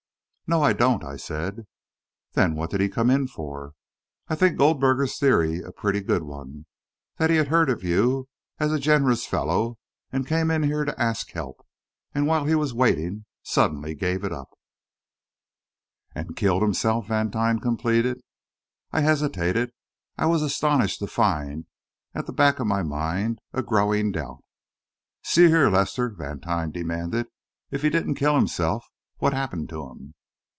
"No, I don't," I said. "Then what did he come in for?" "I think Goldberger's theory a pretty good one that he had heard of you as a generous fellow and came in here to ask help; and while he was waiting, suddenly gave it up " "And killed himself?" Vantine completed. I hesitated. I was astonished to find, at the back of my mind, a growing doubt. "See here, Lester," Vantine demanded, "if he didn't kill himself, what happened to him?"